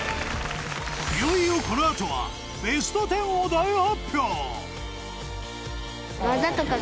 いよいよ、このあとはベスト１０を大発表！